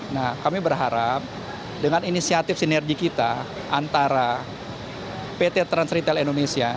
nah kami berharap dengan inisiatif sinergi kita antara pt trans retail indonesia